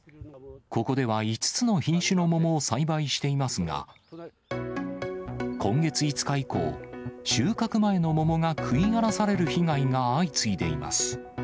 ここでは５つの品種の桃を栽培していますが、今月５日以降、収穫前の桃が食い荒らされる被害が相次いでいます。